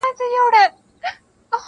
چا توپکونه چا واسکټ چا طیارې راوړي-